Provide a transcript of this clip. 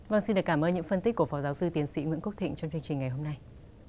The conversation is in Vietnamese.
vâng xin được cảm ơn những phân tích của phó giáo sư tiến sĩ nguyễn quốc thịnh trong chương trình ngày hôm nay